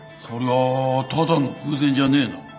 そりゃただの偶然じゃねえな。